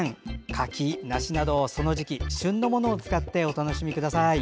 柿、梨などその時期、旬のものを使ってお楽しみください。